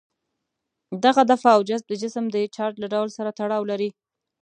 دغه دفع او جذب د جسم د چارج له ډول سره تړاو لري.